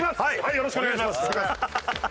よろしくお願いします。